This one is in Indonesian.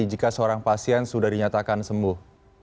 jika seorang pasien sudah dinyatakan sembuh